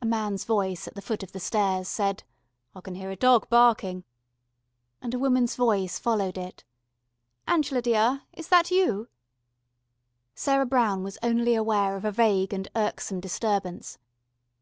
A man's voice at the foot of the stairs said: "I can hear a dog barking." And a woman's voice followed it: "Angela, dear, is that you?" Sarah Brown was only aware of a vague and irksome disturbance.